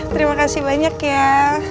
terima kasih banyak ya